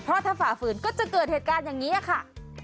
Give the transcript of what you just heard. เพราะถ้าฝ่าฝืนก็จะเกิดเหตุการณ์อย่างนี้ค่ะ